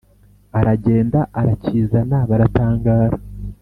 aragenda arakizana baratangara.